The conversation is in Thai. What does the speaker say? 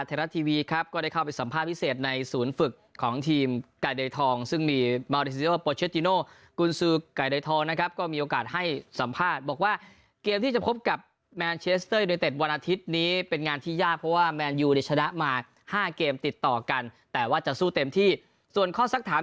เพราะว่าพลักษณ์มันควรสามารถให้คุณกลับมาช่วยในชีวิต